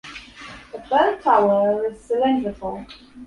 The bell tower is cylindrical.